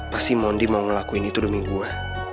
pasti mondi mau ngelakuin itu demi gua